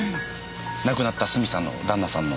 亡くなったスミさんの旦那さんの。